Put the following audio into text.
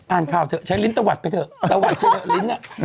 อ่านข่าวเถอะใช้ลิ้นตะวัดไปเถอะตะวัดเถอะลิ้น